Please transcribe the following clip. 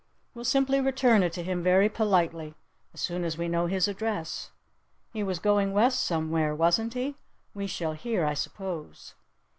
We'll simply return it to him very politely as soon as we know his address. He was going West somewhere, wasn't he? We shall hear, I suppose."